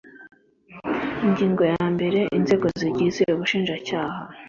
Ingingo ya mbere Inzego zigize Ubushinjacyaha